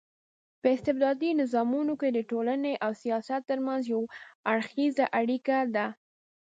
په استبدادي نظامونو کي د ټولني او سياست ترمنځ يو اړخېزه اړيکه ده